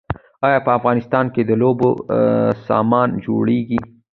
آیا په افغانستان کې د لوبو سامان جوړیږي؟